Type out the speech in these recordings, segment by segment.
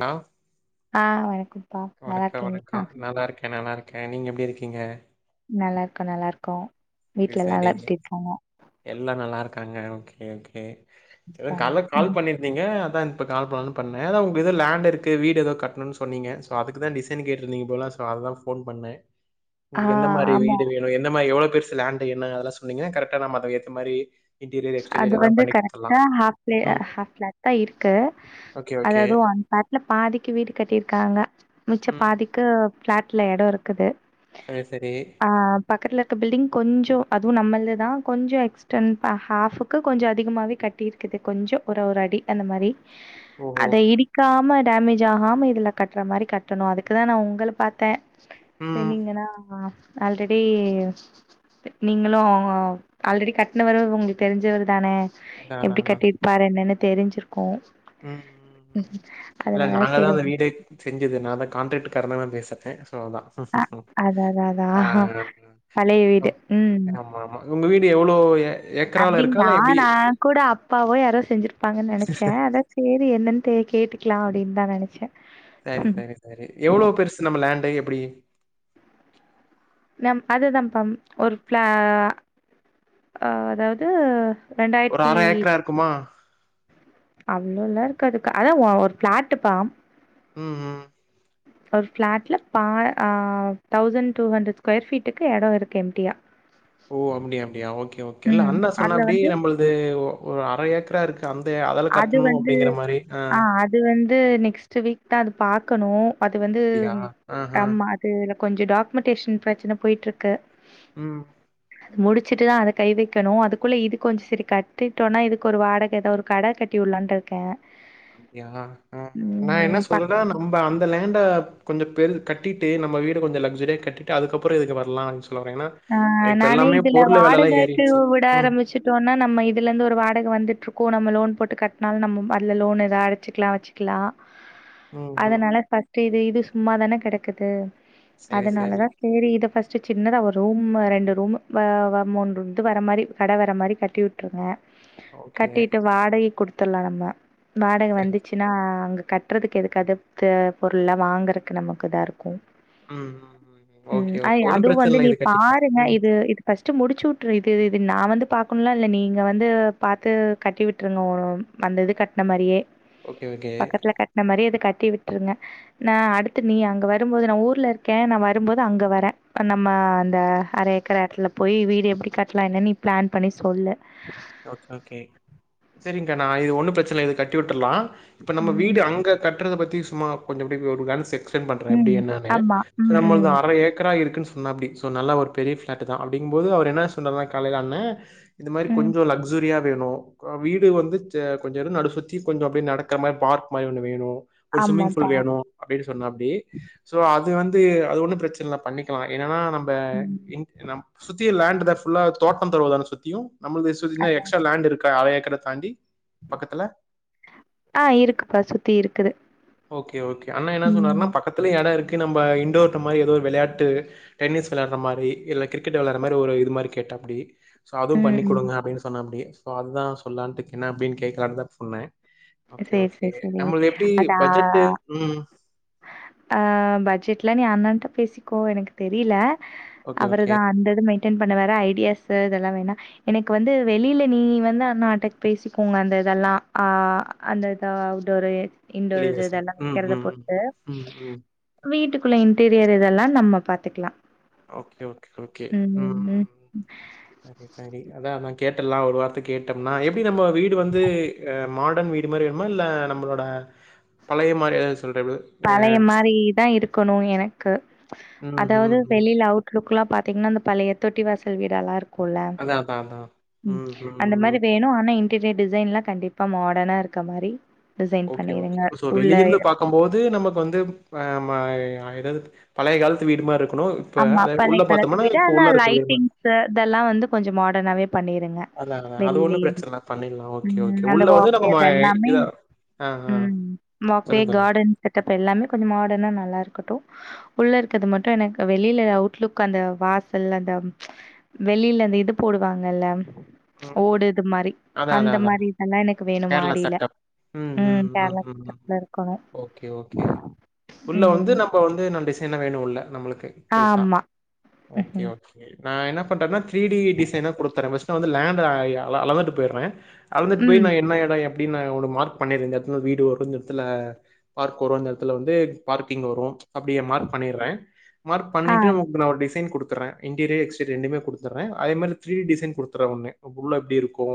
ணா ஆ வணக்கம்ப்பா நல்லா இருக்கீங்ளா நல்லாருக்கேன் நீங்க எப்டி இருக்கீங்க? நல்லாருக்கோ நல்லாருக்கோ இது சரிங் எல்லா நல்லா இருக்காங்க ஓகே ஓகே அப்பா. கால கால் ம். பண்ணி ங்க அதா இப்ப கால் பண்ணு பண்ணே உங்க ஏதோ லேண்ட் இருக்கு வீடு ஏதோ கட்ணுன்னு சொன்னீங்க ஒ அதுக்குதா டிசைன் கேட்ரிந்தீங்க போல சோ அதா போன் பண்ண ஆ உங்களுக்கு எந்த மாரி ஆமா வீடு வேணு எந்த மாரி எவ்ளோ பெருசு லேண்டு என்ன அதெல்லா சொன்னிங்க கரெட்டா நம்ம அதக் ஏத்த மாரி இன்டீரியர், அது எக்ஸ்டீரியர் எல்லாம் வந்து பண்ணி குடுத்துடலாம். கரெக்டா ஆப்ஃ லே ம். ஆப்ஃ ஃபிளாட் தா இருக்கு ஓகே, ஓகே. அதாது அந்த பாட்ல பாதிக்கு வீடு கட்டியிருக்காங்க மிச்ச ம். பாதிக் கு ஃபிளாட்ல எடோ இருக்குது அ சரி ஆ பக்கத்துல இருக்ற பில்டிங் கொஞ்சோ அதுவும் நம்மள்து தா கொஞ்சோ எக்ஸ்டன்ப்பா ஆஃபுக்கு கொஞ்சோ அதிகமாகவே கட்டிருக்குது கொஞ்சோ ஒரு ஒரு அடி அந்த மாரி ஓஹோ! அத இடிக்காம டேமேஜ் ஆகாம இதுல கட்டுற மாரி கட்டணு அதுக்குதா நா உங்கள பாத்தே ம். சென்னீங்கனா அஹ் ஆல்ரெடி நீங்களு ஆல்ரெடி கட்டன வர உங்ளுக் தெரிஞ்சவரு தானே அதான், அதான், எப்டி அதான். கட்டிருப்பாரு என்னன்னு தெரிஞ்சிருக்கோ ம் ம் இல்ல நாங்க தா சரி அந்த உங்க வீடு செஞ்சது நா தா கான்ட்ராக்ட் கார தா பேசிட்டே ஸோ அதா அ அதா அதா அதா ஆஹ் பழைய வீடு ம். ஆமா ஆமா உங்க வீடு எவ்ளோ ஏக்கரால இருக்கா? அப்டிங்களா இல்ல எப்டி? நா கூட அப்பாவோ யாரோ செஞ்சிருப்பாங்கன்னு நெனைச்சே அத செரி என்னன்ட்டு கேட்டுக்கலா அப்டின்னு தா நெனச்சே ஆ சரி சரி எவ்ளோ பெருசு நம்ம லேண்டு எப்டி நம் அதுதான்ப்பம் ஒரு ப்ளா அதாவது ஒரு அர ஏக்ரா இருக்குமா அவ்ளோலா இருக்காது அதா ஒரு பிளாட்டுப்பா ம் ம் ஒரு ஃபிளாட்ல பா ஆ தௌசண்ட் டூ ஹண்ட்ரட் ஸ்கொயர் ஃபீட்டுக்கு எடோ இருக்கு எம்டியா ஓ அப்டி அப்டியா ஓகே ஓகே இல்ல ம். அண்ணா அதுல சொன்னாப்டி வந்து நம்மளது ஒரு அர ஏக்கரா இருக்கு வந்தெ அதல அது கட்ணு வந்து அப்டிங்கிற மாரி ஆ ஆஹ் அது வந்து நெக்ஸ்ட் வீக் தா அது பாக்கணு அது வந்து அப்டியா? ஆஹ. ஆமா இதல கொஞ்சம் டாக்குமெண்டேஷன் பிரச்சன போயிட்ருக்கு ம் முடிச்சிட்டுதா அத கை வெக்கணு அதுக்குள்ள இது கொஞ்சம் சரி கட்டிட்டோனா இதுக்கு ஒரு வாடக ஏதாது ஒரு கட கட்டி வுட்லான்ட்டுருக்கே அப்டியா ஹா நா என்ன ம் ப சொல்றனா நம்ப அந் தலேண்ட கொஞ்ச பெரு கட்டிட்டு நம் வீடு கொஞ்ச லக்ஸொரியாக கட்டிட்டு அதுக்கப்புற இதுக்கு வரலா அப் சொல்வற ஏனா ஆஹ் நானே இதுல வாடகைக்கு ஏறிடுச்சு விட ம் ஆரம்பிச்சு சோன்னா நம்ம இதுலந்து ஒரு வாடகை வந்துட்டுருக்கோ நம்ம லோன் போட்டு கட்னாலு நம்ம அதுல லோனு எதாவது அடைச்சிக்லா வச்சுக்லா ம் ம் அதனால ஃபஸ்ட் இது இது சும்மாதானே கெடக்குது சரி சரி அதனாலதா செரி இத ஃபஸ்ட் சின்னதா ஒரு ரூம்ம ரெண்டு ரூம் வா வ [unintelligible] வர மாரி கட வர மாரி கட்டிவுட் உட்ருவே ஓகே கட்டிட்டு வாடகை குடுத்துட்லா நம்ப வாடக சரி வந்துச்சு னா அங்க கட்டறதுக்கு எதுக்கு அதுப்து பொருள்லா வாங்குறக்கு நமக்கு இதா இருக்கு ம் ம் ம் ஓகே ஓகே அய் ஒன்னும் அது பிரச்சன வந்து இல்ல நீ இது கட்டிக்கலா பாருங்க ம் இது இது ஃபஸ்ட்டு முடிச்சு விட்ரு இது இது நா வந்து பாக்கணும்லா இல்ல நீங்க வந்து பாத்து கட்டி விட்டுருங்கோ மேடோ அந்த இது கட்ன மாரியே ஓகே ஓகே பக்கத்துல கட்ன மாரியே இது கட்டி விட்டுருங்க நா அடுத்து நீ அங்க வரும்போது நா ஊர்ல இருக்கே நா வரும்போது அங்க வர அப்ப நம்ம அந்த அர ஏக்கர எடத்துல போய் வீடு எப்டி கட்லா என்னன் நீ பிளான் பண்ணி சொல்லு ஓகே ஓகே சரிங்க்கா நா இது ஒண்ணு பிரச்சன இது கட்டி விட்டுர்லா இப்ப நம்ம ம். வீடு அங்க கட்றத பத்தி சும்மா கொஞ்ச அப்டி ஒரு க்ளான்ஸ் செக் சென்ட் பண்ற எப்டி ம். என்னானு ஆமா. சோ ம். நம்மளுது ம். அர ஏக்கரா இருக்குன்னு சொன்னாப்டி சோ நல்ல ஒரு பெரிய பிளாட்டு தா அப்டிங்கம்போது அவர் என்ன சொன்னார்னா காலையில அண்ணே இது மாரி ம். கொஞ்சோ லக்சுரியா வேணு ஆ வீடு வந்து ச கொஞ்ச அத சுத்தி கொஞ்ச அப்டியே நடக்கற மாரி பார்க் மாரி ஒண்ணு வேணு ஒரு ஸ்விம்மிங் ஆமாப்பா. ஃபூல் வேணு அப்டின்னு சொன்னாப்டி சோ அது வந்து அது ஒண்ணு பிரச்சன இல்ல பண்ணிக்கலா என்னன்னா நம் ப ம். இன்ட் நம் சுத்தியு லேண்டு தா ஃபுல்லா தோட்டம் தொறவுதான சுத்தியு நம்மளுது [unintelligible] எக்ஸ்ட்ரா லேண்டு இருக்கா அர ஏக்கர தாண்டி பக்கத்துல ஆ இருக்குப்பா சுத்தி இருக்குது ஓகே ஓகே அண்ண என்ன சொன்னாருன்னா ம். பக்கத்துல எடோ இருக்கு நம்ப இன்டோர்ட்ட மாரி ஏதோ ஒரு வெளையாட்டு டென்னிஸ் வெளாட்ற மாரி இல்ல கிரிக்கெட் வெளாட்ற மாரி ஒரு இது மாரி கேட்டாப்டி சோ அதுவு ம். பண்ணி ம். கொடுங்க அப்டின்னு சொன்னாப்டி சோ அதுதா சொல்லான்ட்டு என்ன அப்டினு கேக்கலான்தா சொன்னே ஓகே சரி, ஓகே சரி, சரி. நம்மளுது எப்டி அதா பட்ஜெட்டு ம் ஆ பட்ஜெட்லா நீ அண்ணன்ட்ட பேசிக்கோ எனக்கு தெரில ஓகே ஓகே அவருதா அந்தது மெயின்டன் பண்ணுவாரு ஐடியாஸ் இதெல்லா வேணா எனக்கு வந்து வெளில நீ வந்து அண்ணாட்ட பேசிக்கோங்க அந்த இதெல்லா ஆ அந்த இதா அவுட்டோரு இன்டோர் இது டெலிவேஷன் இதெல்லா ம் வக்கிறத ம் பொருத்து ம் ம் வீட்டுக்குள்ள இன்டீரியர் இதெல்லா நம்ம பாத்துக்கலா ஓகே ஓகே ஓகே ம் சரி சரி அதா நா கேட்டல்ல ஒரு வார்த்த கேட்டோம்னா எப்டி நம்ம வீடு வந்து ஆ மாடன் வீட் ட்டு மாரி வேணுமா இல்ல நம்மளோட பழைய மாரி எதாது சொல்ற பழைய மாரி தா இருக்கணு எனக்கு ம், அதாவது ம், ம். வெளில அவுட் லுக்லா பாத்தீங்கன்னா அந்த பழைய தொட்டி வாசல் வீடல்லா இருக் குல்ல அதான், அதான், அதான். ம் அந்த ம். மாரி வேணு ஆனா இன் டிரியர் டிசைன்லா கண்டிப்பா மாடர்னா இருக்க மாரி டிசைன் பண்ணிருங்க உள்ள க்கம் போது நமக்கு வந்து ஆ ம ஏ ஏதாவது பழைய காலத்து வீடு மாரி இருக்கணு ஆமா பழய காலத்து வீடு ஆனா ஆமா பழைய காலத்து வீடு ஆனா மாரி லைட்டிங்ஸு இதெல்லா வந்து கொஞ்ச மாடர்னாவே பண்ணிருங்க அதான், அதான். அது ஒண்ணும் வெளிலேயும் பிரச்சனை இல்ல. பண்ணிடலாம். Okay, okay. ம் அந்த உள்ள வந்து நம்ம வாக்கு ம அது எல்லாமே இதா ஆ, ஆ. ம் மாப்பே சொல்லுங்க, சொல்லுங்க. கார்டன் செட்டப் எல்லாமே கொஞ்ச மாடனா நல்லா இருக்கட்டு உள்ள இருக்கறத மட்டும் எனக் வெளியில அவுட்லுக் அந்த வாசல் அந்த வெளியில அந்த இது போடுவாங்கல்ல ம், ம். ஓடு இது மாரி அதான், அந்த அதான், அதான். மாரி இதெல்லா எனக்கு வேணு மாடில ம் கேரளா கெட்டப்ல இருக்கணு ஓகே, ஓகே. உள்ள வந்து நம்ப வந்து ந டிசைனா வேணு உள்ள நம்மளுக்கு பெருசா. ஆமா ஓகே, ஓகே நா என்ன பண்றேன்னா த்ரீடி டிசைனா குடுத்தற ஃபஸ்ட்டு வந்து லேண்டு நா அ எ அளந்துட்டு போய்றே அளந்துட்டு போயி ம். நா என்ன எடோ எப்டின்னு நா ஒரு மார்க் பண்ணிற இந்த எடத்துல வீடு வரு இந்த எடத்துல பார்க் வரு அந்த எடத்துல வந்து பார்க்கிங் வரு அப்டியே மார்க் பண்ணிறே மார்க் ஆ, பண்ணிட்டு உனக்கு நா ஒரு டிசைன் குடுத்துர்றே இன்டீரியர் எக்ஸ்டீரியர் ரெண்டுமே குடுத்துர்றே அதே மாரி த்ரி டிசைன் குடுத் அப்றோ ஒன்னு உள்ள எப்டி இருக்கு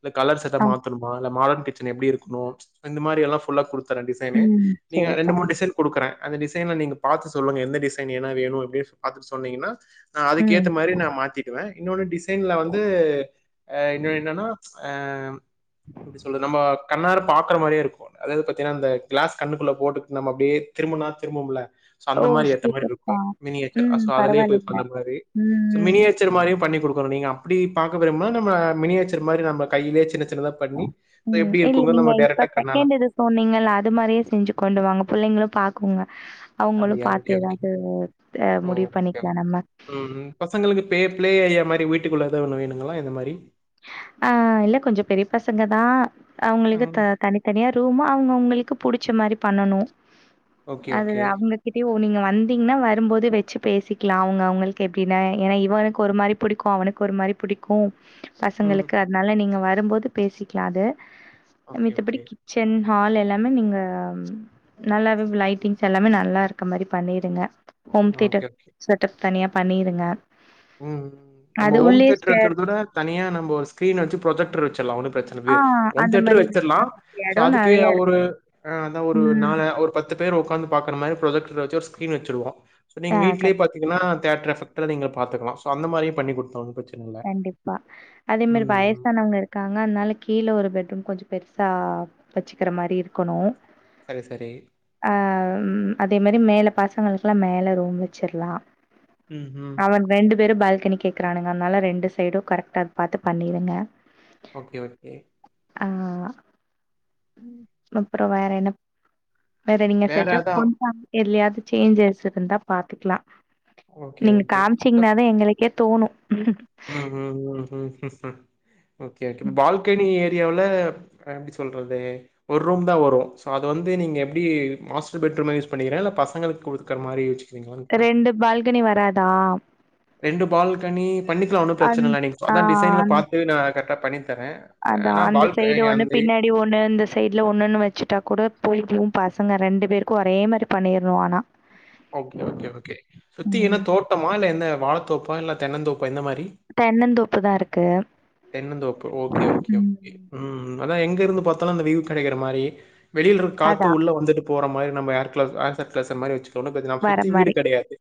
இல்ல கலர்ஸ் செட்ட ஆ. மாத்தணுமா இல்ல மாடதிட் கிச்சன் எப்டி இருக்கணு இந்த மாரி எல்லா புல்லா குடுத்துர்றே டிசைனு ம். நீங்க ரெண்டு சரிப்பா. மூணு டிசைன் குடுக்குறே அந்த டிசைன நீங்க பாத்து சொல்லுங்க எந்த டிசைன் என்ன வேணு அப்டின்னு பாத்துட்டு சொன்னீங்கன்னா நா ம். அதுக்கேத்த மாரி நா மாத்திட்டுவே இன்னொன்னு டிசைன்ல வந் த்து அ இன்னொனு என்னனா அ எப்டி சொல்றது நம்போ கண்ணாற பாக்குற மாரியே இருக்கு அதாது பாத்தீங்கன்னா இந்த க்ளாஸ் கண்ணுக்குள்ள போட்டுகுட் நம்ப அப்டியே திரும்புனா திரும்புவோம்ல சோ அந்த ஓ! மாரி ஏத்த மாரி இருக்கு சூப்பர்ப்பா. மினியேச்சர் அ ம். சோ அதுலயே பரவாயில்லைங்க. உக்காந்த மாரி சோ ம். மினியே யேசர் மாரியு பண்ணி குடுக்குறோ நீங்க அப்டி பாக்க விரும்புனா நம்ம மினியேச்சர் மாரி நம்ம கையிலே சின்ன சின்னதா பண்ணி அது எப்டி இருக்குங்கனு நம்ம டெரக்ட்டா கண்ணால சொன்னிங்கல அது மாரியு செஞ்சு கொண்டு வாங்க புள்ளைங்களு பாக்குங்க அவுங்களு அப்டியா பாத்து ஓகே ஓகே எதாவது அ ஓ முடிவு ஓகே பண்ணிக்லா நம்ம ம் ம் பசங்களுக்கு பே ப்ளே ஏரியா மாரி வீட்டுக்குள்ள எதா ஒன்னு வேணுங்களா இந்த மாரி ஆ இல்ல கொஞ்ச பெரிய பசங்கதா அவுங்களுக்கு த ம் தனித்தனியா ரூமு அவுங்க அவுங்களுக்கு புடிச்ச மாரி பண்ணனு ஓகே அது ஓகே அவுங்க கிட்டயு நீங்க வந்தீங்கன்னா வரும்போது வச்சு பேசிக்லா அவுங்க அவுங்களுக்கு எப்டின்னா ஏன்னா இவனுக்கு ஒரு மாரி புடிக்கு அவனுக் க்கு ஒரு மாரி புடிக்கு ம் பசங்களுக்கு அதுனால நீங்க வரும்போது பேசிக்லா அது ஓகே ஓகே மித்தபடிக்கி கிச்சன் ஹால் எல்லாமே நீங்க ம் நல்லாவே லைட்டிங்ஸ் எல்லாமே நல்லா இருக்க மாரி பண்ணிருங்க home theatre okay okay setup தனியா பண்ணிருங்க ம் நம்ப அது ஹோம் உள்ளயே தியேட்டர் ஸ்டேர் இருக்குறத வுட தனியா நம்ப ஒரு ஸ்கிரீன் வச்சு ப்ரொஜெக்டர் வச்சுர்லா ஒன்னு ப்ச்சனை எத்தன ஆ பேர் ஹோம் அந்த தேட்டரு மாரி வச்சிர்லா சோ இடம் அதுக்கு நெறைய இருக்கு. ஒரு அ அதா ஒரு ம். நால ஒரு பத் பத்து பேரு உக்காந்து பாக்குற மாரி ப்ரொஜெக்டர வச்சு ஒரு ஸ்கிரீன் வச்சுருவோ நீங்க ஆ கண்டிப்பா. வீட்லயே பாத் தீங்கனா தேட்ரு எபெக்ட்ல நீங்க பாத்துக்கலா சோ அந்த மாதிரியு பண்ணி குடுத்துர்லா ஒன்னு ப்ரச்சன கண்டிப்பா அதே மாரி வயசானவுங்க இருக் இருக்காங்க அதுனால கீழ ஒரு பெட்ரூம் கொஞ்ச பெருசா வச்சுக்குற மாரி இருக்கணு சரி சரி ஆ அதே மாரி மேல பசங்களுக்குல்லா மேல ரூம் வச்சுர்லா ம்ஹ்ம். அவன் ரெண்டு பேரும் பால்கனி கேக்குறானுங்க நல்லா ரெண்டு சைடும் கரெக்டா பாத்து பண்ணிருங்க ஓகே ஓகே ஆ அப்றோ வேற என்னப் வேற நீங்க செச்ச கொண்டு வாங்க கொஞ்ச எதுலையாது சேஞ்சஸ் இருந்தா பாத்துக்லா ஓகே, நீங்க ஓகே. காமிச்சிங்னாதா எங்களுக்கே தோணு ம் ம் ம் ம் ம் ஓகே ஓகே பால்கனி ஏரியாவுல நா எப்டி சொல்றது ஒர் ரூம்தா வரு சோ அது வந்து நீங்க எப்டி மாஸ்டர் பெட்ரூம்மா யூஸ் பண்ணிக்கிற இல்ல பசங்களுக்கு குடுக்குற மாரி யோசிக்கிறீங்களான்னு கேட்டே ரெண்டு பால்கனி வராதா ரெண்டு பால்கனி பண்ணிக்லா ஒன்னு அந் ப்ரச்சன இல்ல நீங்க அதா டிசைன்ல பாத்து நா கரெக்டா பண்ணி தரே அதா ஆனா அந்த சைடு பால்கனி ஒண்ணு அந்த பின்னாட் னாடி ஒண்ணு இந்த சைட்ல ஒண்ணுன்னு வச்சுட்டா கூட போயித்து பசங்க ரெண்டு பேருக்கு ஒரே மாரி பண்ணீர்னு ஆனா ஓகே ஓகே ஓகே சுத்தி என்ன ம். தோட்டமா இல்ல எந்த வாழத்தோப்பா இல்ல தென்னந்தோப்பா இந்த மாரி தென்னந்தோப்புதா இருக்கு தென்னந்தோப்பு ஓகே ஓகே ம் ஓகே ம் அதா எங்க இருந்து பாத்தாலு அந்த வியூ கெடைக்கிற மாரி வெளியில இருக் காத்து அதான் உள்ள வந்துட்டு போற மாரி நம்ம ஏர்குல ஏர் சர்குலேஷன் மாரி வெச்சு ஒன்னு பிரச்சன வர சுத்தி வீடு மாரி. கெடையாது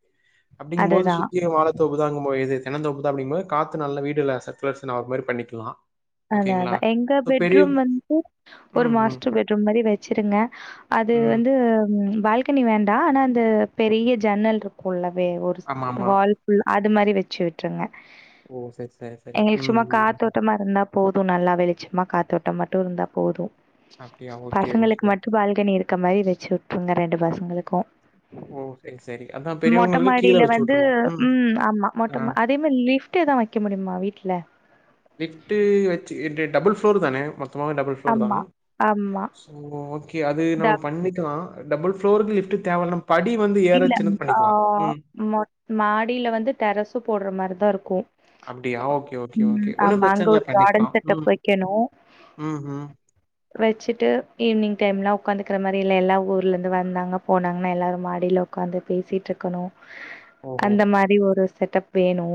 அப்டிங்கும்போது அதுதான். சுத்தி வாழ தோப்புதாங்கும் போது இது தென்னந்தோப்பு தா அப்டிங்கும்போது காத்து நல்ல வீடுல சர்குலேஷன் ஆகு மாரி பண்ணிக்குலா அதா அதா எங்க பெட்ரூம் வந்து ஒரு ம் ம் மாஸ்டர் பெட்ரூம் மாரி வெச்சிருங்க அது ம் வந்து பால் கனி வேண்டா ஆனா அந்த பெரிய ஜன்னல்ருக்குள உள்ளவே ஒரு ஆமா ஆமா வால் உள் அது மாரி வெச்சு விட்ருங்க ஓ சரி சரி சரி எங்களுக்கு ம் சும்மா ம் ம். காத்தோட்டமா இருந்தா போது நல்லா வெளிச்சமா காத்தோட்ட மட்டு இருந்தா போது அப்படியா ஓகே ஓகே பசங்களுக்கு மட்டு ஓகே பால்கனி இரு க மாரி வெச்சு வுட்ருங்க ரெண்டு பசங்களுக்கு ஓ சரி சரி அதான் பெரியவங்களுக்கு கீழே மொட்டமாடியில வச்சு வந்து விட்டுருவோம் ம் ஆமா மொட்டமா அ அதே மா லிஃப்ட் எதா வைக்க முடியுமா வீட்ல லிஃப்ட்டு வெச்சு இது டபுள் ஃப்ளோர் தானே மொ த்தமாவே டபுள் ஃப்ளோர் தா ஆமா ஆமா சோ ஓகே அது த நம்ம பண்ணிக்கலா டபுள் ஃப்ளோருக்கு லிஃப்ட் தேவனா படி வந்து ஏற இல்ல சின்னது ஆ பண்ணிக்கலாம் ம் மொ மாடியில வந்து டெரஸு போடுற மாரிதா இருக்கு அப்படியா ஓகே ஓகே ஓகே ம் ஒன்றும் ஆமா அங்க பிரச்சனை இல்லை ஒரு கார்டன் பண்ணிக்கலாம் செட்டப் ம் வைக்கணு ம் ஹும் வெச்சிட்டு ஈவினிங் டைம்லா உகீகாந்துக்குற மாரி இல்ல எல்லா ஊர்ல இருந்து வந்தாங்க போனாங்கன்னா எல்லாரு மா டில உக்காந்து பேசிட்டு இருக்கணு ஓஹோ! அந்த மாரி ஒரு செட்டப் வேணு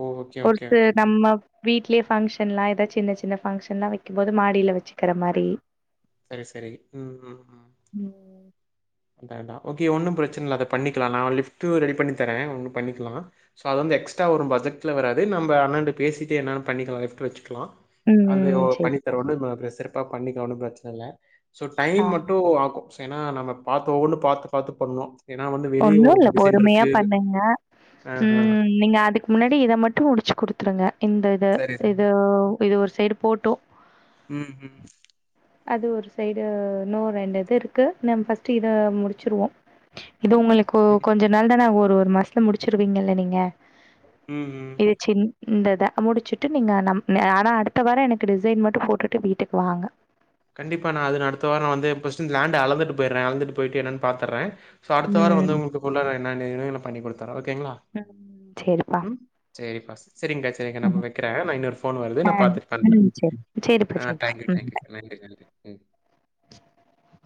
ஓ ஓகே ஒரு ஓகே சி ஓகேங்க நம்ம வீட்லயே ஃபங்கஷன்ல்லா ஏதா சின்ன சின்ன ஃபங்க்ஷன்லா வைக்கும் போது மாடியில வெச்சுக்குற மாரி சரி சரி ம் ம் ம் ம் அடடா ஓகே ஒன்னு பிரச்சன இல்ல அத பண்ணிக்கலா நா லிஃப்ட் ரெடி பண்ணி தரே ஒண்ணு பண்ணிக்கலா சோ அது வந்து எக்ஸ்ட்ரா வரு பட்ஜெட்ல வராது நம்ப அண்ணன்ட பேசிட்டு என்னானு பண்ணிக்கலா லிஃப்ட் வெச்சுக்கலா அது ஒ ம் சேரிப்பா பண்ணித்தருவோண்ணு ம் ப்ற சிறப்பா பண்ணிக்கலா ஒண்ணு பிரச்சன இல்ல சோ ஆ டைம் மட்டு ஆகு சொ ஏன்னா நம்ம பாத்து ஒவ்வொனு பாத்து பாத்து பண்ணு ஒண்ணு இல்ல பொறுமையா பண்ணுங்க ஆஹ. ம் நீங்க அதுக்கு முன்னாடி இத மட்டு முடிச்சு குடுத்துருங்க இந்த இது சரி, சரி. இது இது ஒரு சைடு போட்டு ம் ஹ்ம் அது ஒரு சைடு இன்னொ ரெண்டு இது இருக்கு நம்ப ஃபஸ்ட்டு இத முடிச்சுருவோ இது உங்களுக்கு ம், கொஞ்ச நாள் தானே ஆகு ஒரு ஒரு மாசத்துல முடிச்சிருவீங்கல்ல நீங்க ம் ம் இது சின் இந்தத முடிச்சுட்டு நீங்க நம் ஆனா அடுத்த வார எனக்கு டிசைன் மட்டு போட்டுட்டு வீட்டுக்கு வாங்க கண்டிப்பா நா அது அடுத்த வாரோ வந்து ஃபஸ்ட் லேண்ட அலந்துட்டு போய்றே அழந்துட்டு போயிட்டு என்னனு பாத்துறே சோ அடுத்த வார ம் வந்து உங்கள்க்கு ஃபுல்லா நா என்னென்ன வேணுனு பண்ணி கொடுத்தறே ஓகேங்ளா ம் சரிப்பா செரிப்பா செரிங்கக்கா சரிங்க நா ம். வைக்கிறே நா இன்னொரு ஃபோன் வருது ஆ. நா பாத்தட்டு பண்றே ம். சரி. சரிப்பா, ஆ சரிப்பா. தேங்க்யூ ம். தேங்க்யூ நன்றி நன்றி ம்